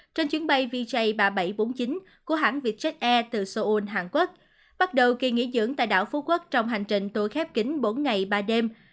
trên chuyến bay vj ba nghìn bảy trăm bốn mươi chín của hãng vietjet air từ seoul hàn quốc bắt đầu kỳ nghỉ dưỡng tại đảo phú quốc trong hành trình tôi khép kín bốn ngày ba đêm